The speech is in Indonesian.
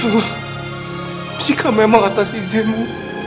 ya allah jika memang atas izinmu